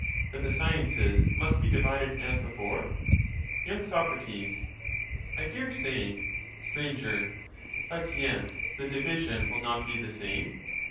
Then the sciences must be divided as before ? Y. Soc. I dare say. Str. But yet the division will not be the same